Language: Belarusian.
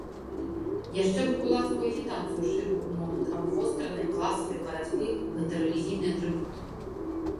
Яшчэ б кулацкую агітацыю шырыў у момант абвостранай класавай барацьбы гэты рэлігійны атрыбут.